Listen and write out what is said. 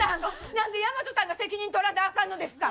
何で大和さんが責任取らなあかんのですか！？